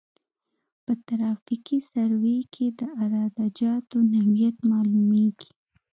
په ترافیکي سروې کې د عراده جاتو نوعیت معلومیږي